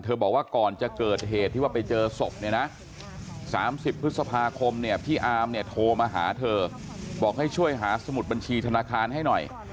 บอกว่าก่อนจะเกิดเหตุที่ว่าไปเจอศพเนี่ยนะ๓๐พฤษภาคมเนี่ยพี่อาร์มเนี่ยโทรมาหาเธอบอกให้ช่วยหาสมุดบัญชีธนาคารให้หน่อย